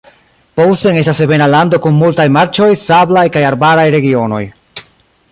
Posen estas ebena lando kun multaj marĉoj, sablaj kaj arbaraj regionoj.